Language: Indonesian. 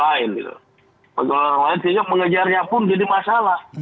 sehingga mengejarnya pun jadi masalah